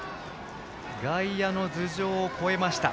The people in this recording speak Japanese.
外野の頭上を越えました。